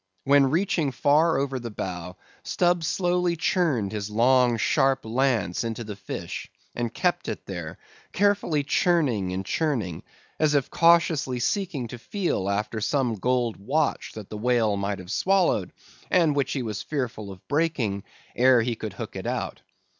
When reaching far over the bow, Stubb slowly churned his long sharp lance into the fish, and kept it there, carefully churning and churning, as if cautiously seeking to feel after some gold watch that the whale might have swallowed, and which he was fearful of breaking ere he could hook it out.